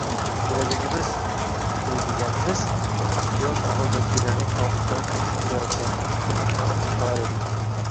«Kelajagimiz» deydiganimiz yosh avlod vakillarining tobutlari qaytib kelayotganini ahyon-ahyon o‘qib qolar edik.